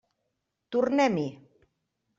Tornem-hi.